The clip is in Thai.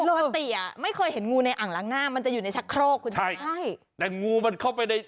ปกติไม่เคยเห็นงูในอ่างล้างหน้ามันจะอยู่ในชักโครก